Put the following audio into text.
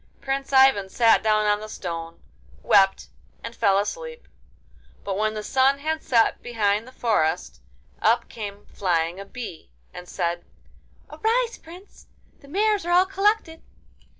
Prince Ivan sat down on the stone, wept, and fell asleep. But when the sun had set behind the forest, up came flying a bee, and said: 'Arise, Prince! The mares are all collected.